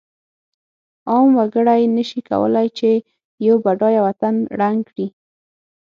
عام وګړی نشی کولای چې یو بډایه وطن ړنګ کړی.